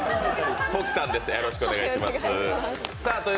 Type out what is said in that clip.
トキさんです、よろしくお願いします。